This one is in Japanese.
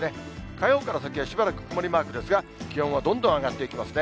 火曜から先はしばらく曇りマークですが、気温はどんどん上がっていきますね。